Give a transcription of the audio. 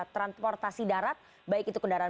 transportasi darat baik itu kendaraan